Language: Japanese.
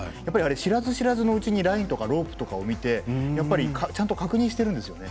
知らず知らずのうちにラインとかロープを見てやっぱり、ちゃんと確認してるんですよね。